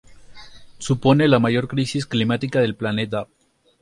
Supone la mayor crisis climática del planeta.